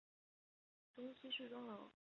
东西梳妆楼均为两层三檐歇山顶。